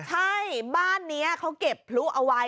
ใช่บ้านนี้เขาเก็บพลุเอาไว้